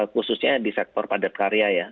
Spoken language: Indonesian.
khususnya di sektor padat karya ya